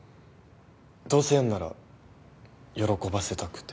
どうせやんなら喜ばせたくて。